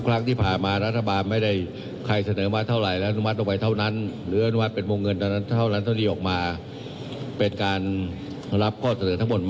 อันนี้เราต้องพูด